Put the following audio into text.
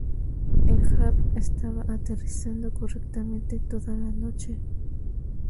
El jab estaba aterrizando correctamente toda la noche.